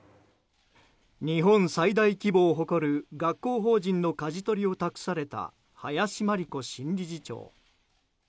日本最大規模を誇る学校法人のかじ取りを託された林真理子新理事長。